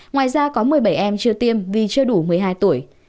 ngoài ra có một mươi bảy em chưa tiêm vì chưa đủ một mươi hai tuổi